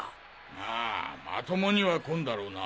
まあまともには来んだろうな。